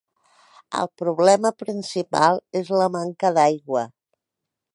El problema principal és la manca d'aigua.